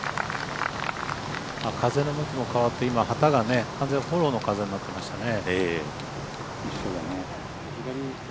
風の向きも変わって今、旗が完全にフォローの風になってましたね。